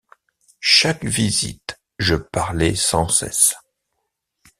Chaque visite, je parlais sans cesse.